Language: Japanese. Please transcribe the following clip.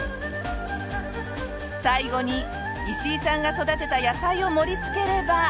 最後に石井さんが育てた野菜を盛りつければ。